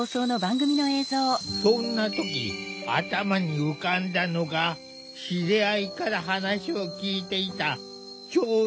そんな時頭に浮かんだのが知り合いから話を聞いていた「聴導犬」だ。